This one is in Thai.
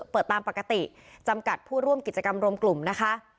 เปิดตามปกติจำกัดผู้ร่วมกิจกรรมรวมกลุ่มนะคะ